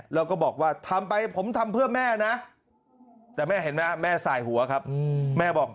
แล้วก็บอกว่าทำไปผมทำเพื่อแม่นะแต่แม่เห็นไหมแม่สายหัวครับแม่บอก